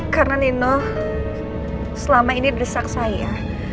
karena nino selama ini derisak saya